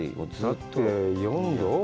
だって、４度？